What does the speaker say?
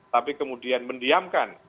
tapi kemudian mendiamkan